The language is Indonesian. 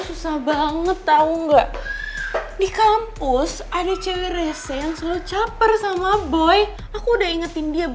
susah banget tau enggak di kampus ada cewek rese yang selalu capar sama boy aku udah ingetin dia